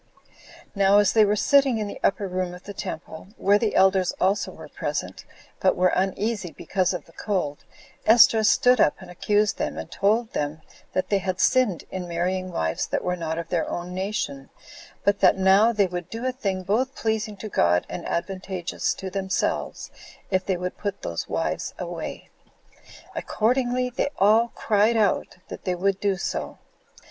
Now as they were sitting in the upper room of the temple, where the elders also were present, but were uneasy because of the cold, Esdras stood up and accused them, and told them that they had sinned in marrying wives that were not of their own nation; but that now they would do a thing both pleasing to God, and advantageous to themselves, if they would put those wives away. Accordingly, they all cried out that they would do so.